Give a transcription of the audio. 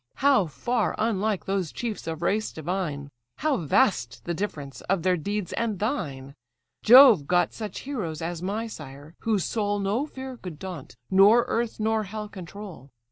How far unlike those chiefs of race divine, How vast the difference of their deeds and thine! Jove got such heroes as my sire, whose soul No fear could daunt, nor earth nor hell control.